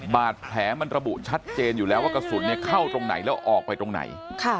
บาดแผลมันระบุชัดเจนอยู่แล้วว่ากระสุนเข้าตรงไหนแล้วออกไปตรงไหน